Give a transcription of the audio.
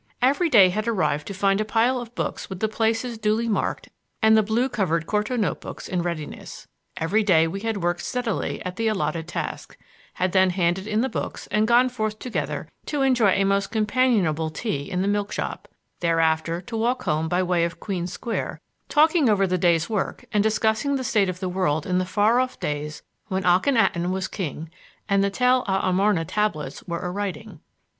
Every day had arrived to find a pile of books with the places duly marked and the blue covered quarto notebooks in readiness. Every day we had worked steadily at the allotted task, had then handed in the books and gone forth together to enjoy a most companionable tea in the milkshop; thereafter to walk home by way of Queen Square, talking over the day's work and discussing the state of the world in the far off days when Ahkhenaten was kind [Transcriber's note: king?] and the Tell el Amarna tablets were a writing.